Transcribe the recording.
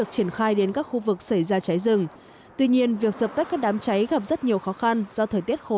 xảy ra cháy rừng tuy nhiên việc sập tắt các đám cháy gặp rất nhiều khó khăn do thời tiết khô